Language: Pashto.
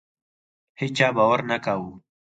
هیچا باور نه کاوه.